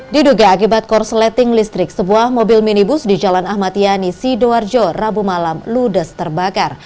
diduga akibat korsleting listrik sebuah mobil minibus di jalan ahmad yani sidoarjo rabu malam ludes terbakar